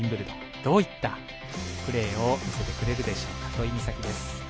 どういったプレーを見せてくれるでしょうか土居美咲です。